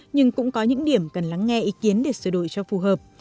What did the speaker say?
nhưng cũng có những điểm cần lắng nghe ý kiến để sửa đổi cho phù hợp